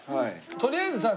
とりあえずさ。